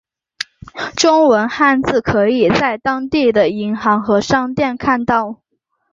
中文汉字可以在当地的银行和商店看到。